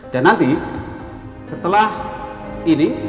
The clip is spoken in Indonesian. dan nanti setelah ini